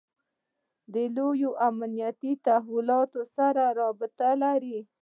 له لویو امنیتي تحولاتو سره رابطه لري.